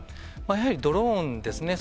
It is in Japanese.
やはりドローンですね。